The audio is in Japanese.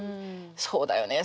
そうだよね